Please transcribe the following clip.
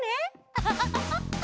アハハハ！